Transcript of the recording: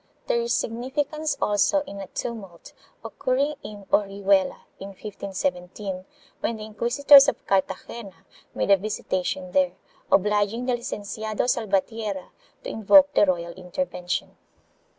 2 There is significance also in a tumult occurring in Orihuela, in 1517, when the inquisitors of Cartagena made a visitation there, obliging the Licenciado Salvatierra to invoke the royal inter vention.